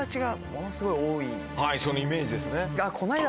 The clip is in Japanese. はいそのイメージですね。